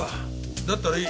だったらいい。